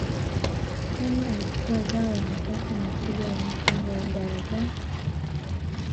Osama alikuwa zao la makosa makubwa ya mipango ya idara za